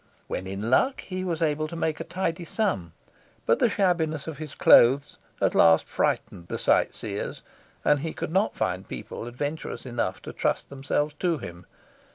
When in luck he was able to make a tidy sum; but the shabbiness of his clothes at last frightened the sight seers, and he could not find people adventurous enough to trust themselves to him.